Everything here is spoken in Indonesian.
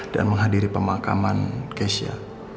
dan menghadiri pemakaman keisha